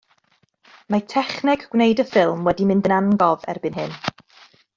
Mae techneg gwneud y ffilm wedi mynd yn angof erbyn hyn.